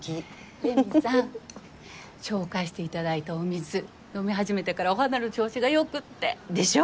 麗美さん紹介して頂いたお水飲み始めてからお肌の調子が良くって。でしょ？